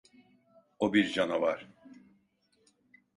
O bir canavar.